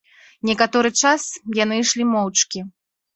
Некаторы час яны ішлі моўчкі.